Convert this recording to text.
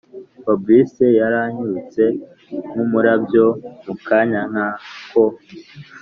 fabric yaranyarutse nkumurabyo mukanya nkako